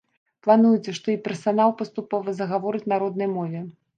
Плануецца, што і персанал паступова загаворыць на роднай мове.